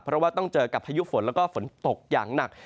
เพราะว่าต้องเจอกับพายุฝนแล้วก็ฝนตกอย่างหนัก